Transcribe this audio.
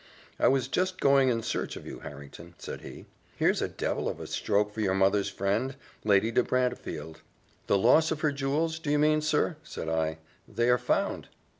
"I was just going in search of you, Harrington," said he: "here's a devil of a stroke for your mother's friend, Lady de Brantefield." "The loss of her jewels, do you mean, sir?" said I: "they are found."